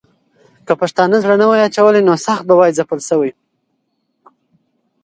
که پښتانه زړه نه وای اچولی، نو سخت به وای ځپل سوي.